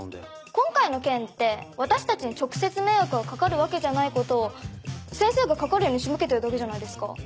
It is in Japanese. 今回の件って私たちに直接迷惑がかかるわけじゃないことを先生がかかるように仕向けてるだけじゃないですか。